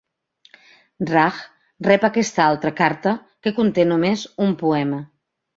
Raj rep aquesta altra carta que conté només un poema.